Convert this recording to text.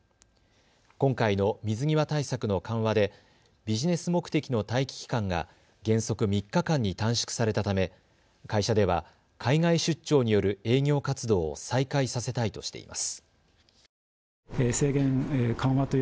今回の水際対策の緩和でビジネス目的の待機期間が原則３日間に短縮されたため会社では海外出張による営業活動を再開させたいとしています。